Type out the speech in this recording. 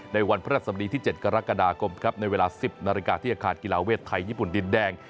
ในวันพระราชสมดีที่๗กรกฎาคมครับในเวลา๑๐นาฬิกาที่อาคารกีฬาเวทไทยญี่ปุ่นดินแดง